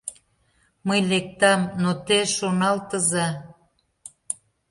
Мый лектам, но те шоналтыза!